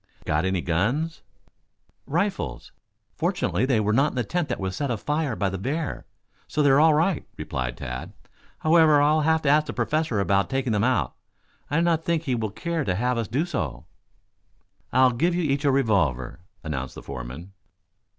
"Got any guns?" "Rifles. Fortunately, they were not in the tent that was set afire by the bear, so they are all right," replied Tad. "However, I'll have to ask the Professor about taking them out. I do not think he will care to have us do so." "I'll give you each a revolver," announced the foreman.